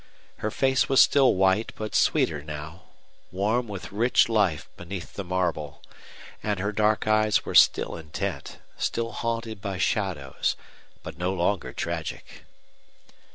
Her face was still white, but sweeter now, warm with rich life beneath the marble; and her dark eyes were still intent, still haunted by shadows, but no longer tragic.